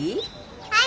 はい！